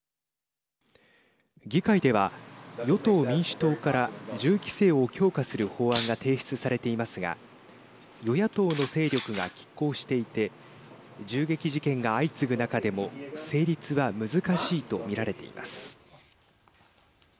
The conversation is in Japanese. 議会では与党・民主党から銃規制を強化する法案が提出されていますが与野党の勢力がきっ抗していて銃撃事件が相次ぐ中でも成立は難しいとみられています。